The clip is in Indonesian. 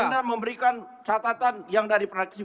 anda memberikan catatan yang dari praksi